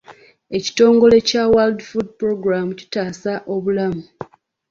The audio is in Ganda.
Ekitongole kya World Food Programme kitaasa obulamu.